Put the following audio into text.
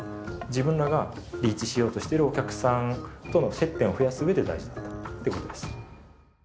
自分らがリーチしようとしてるお客さんとの接点を増やすうえで大事だったということです。